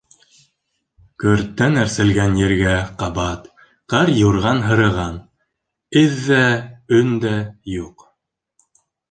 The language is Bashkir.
Көрттән әрселгән ергә ҡабат ҡар юрған һырыған, эҙ ҙә, өн дә юҡ.